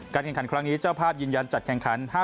แข่งขันครั้งนี้เจ้าภาพยืนยันจัดแข่งขัน